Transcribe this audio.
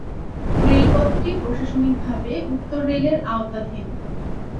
রেলপথটি প্রশাসনিকভাবে উত্তর রেলের আওতাধীন।